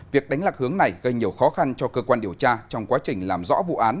việc đánh lạc hướng này gây nhiều khó khăn cho cơ quan điều tra trong quá trình làm rõ vụ án